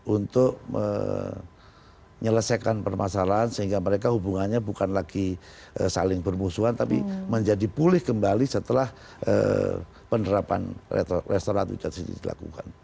untuk menyelesaikan permasalahan sehingga mereka hubungannya bukan lagi saling bermusuhan tapi menjadi pulih kembali setelah penerapan restoratif justice dilakukan